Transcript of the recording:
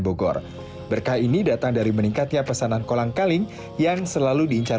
bogor berkah ini datang dari meningkatnya pesanan kolang kaling yang selalu diincar